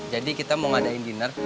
jadi kita mau ngadain diner